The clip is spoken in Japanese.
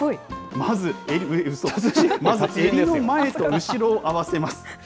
まず、襟の前と後ろを合わせます。